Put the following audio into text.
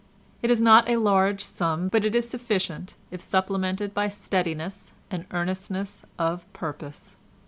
It is not a large sum, but it is sufficient if supplemented by steadiness and earnestness of purpose.